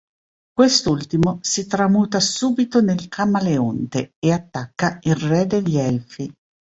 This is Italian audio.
Quest'ultimo si tramuta subito nel Camaleonte e attacca il re degli Elfi.